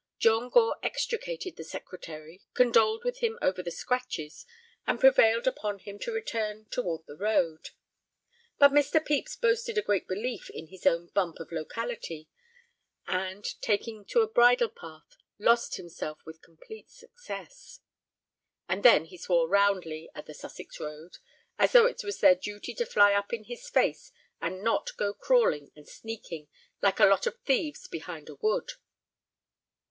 John Gore extricated the Secretary, condoled with him over the scratches, and prevailed upon him to return toward the road. But Mr. Pepys boasted a great belief in his own bump of locality, and, taking to a bridle path, lost himself with complete success. And then he swore roundly at the Sussex roads, as though it was their duty to fly up in his face and not go crawling and sneaking like a lot of thieves behind a wood.